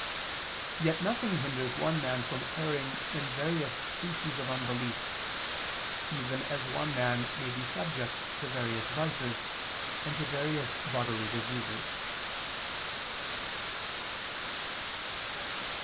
Yet nothing hinders one man from erring in various species of unbelief, even as one man may be subject to various vices, and to various bodily diseases.